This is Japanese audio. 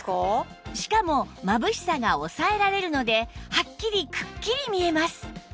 しかもまぶしさが抑えられるのではっきりくっきり見えます